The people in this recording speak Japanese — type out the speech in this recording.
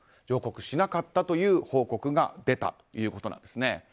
上告しなかったという報告が出たということです。